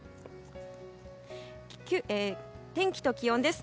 天気と気温です。